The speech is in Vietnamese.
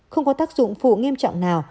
không có tác dụng phụ nghiêm trọng nào